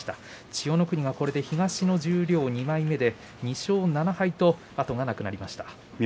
千代の国は東の十両２枚目で２勝７敗と後がなくなりました。